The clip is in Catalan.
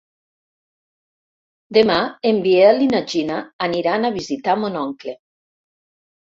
Demà en Biel i na Gina aniran a visitar mon oncle.